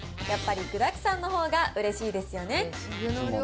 やっぱり具だくさんのほうがうれしいですよね。